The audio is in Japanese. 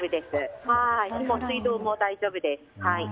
水道も大丈夫です。